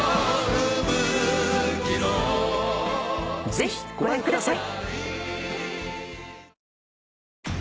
ぜひご覧ください。